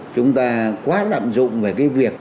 chúng ta quá lạm dụng về cái việc